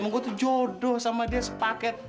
emang gua tuh jodoh sama dia sepaket